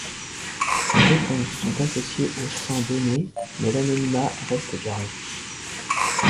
Les réponses sont associées au sang donné, mais l'anonymat reste garanti.